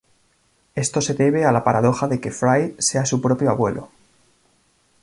Esto se debe a la paradoja de que Fry sea su propio abuelo.